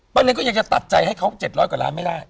เล็งก็ยังจะตัดใจให้เขา๗๐๐กว่าล้านไม่ได้